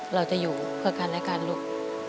เราจะอยู่เพื่อกันและกันลูก